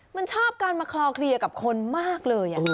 มันชอบการมาคลอเคลียร์กับคนมากเลย